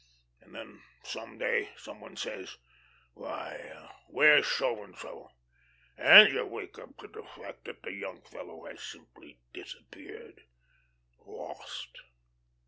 And then some day some one says, 'Why, where's So and so?' and you wake up to the fact that the young fellow has simply disappeared lost.